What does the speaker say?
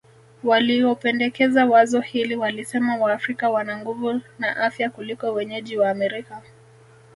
Waliopendekeza wazo hili walisema Waafrika wana nguvu na afya kuliko wenyeji wa Amerika